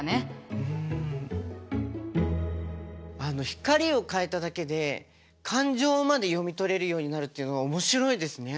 光を変えただけで感情まで読み取れるようになるっていうのは面白いですね。